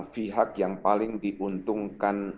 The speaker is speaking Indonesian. pihak yang paling diuntungkan